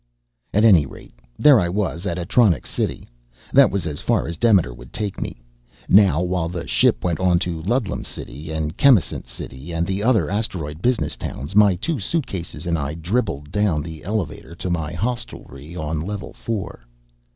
At any rate, there I was at Atronics City. That was as far as Demeter would take me. Now, while the ship went on to Ludlum City and Chemisant City and the other asteroid business towns, my two suitcases and I dribbled down the elevator to my hostelry on level four.